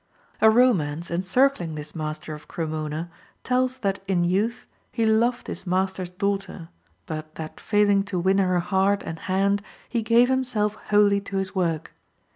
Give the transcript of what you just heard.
A romance encircling this master of Cremona tells that in youth he loved his master's daughter, but that failing to win her heart and hand, he gave himself wholly to his work.